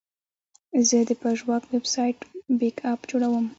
زه د پژواک ویب سایټ بیک اپ جوړوم.